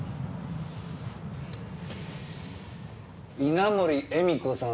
稲盛絵美子さん